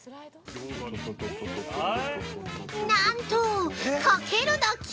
なんと、かけるだけ！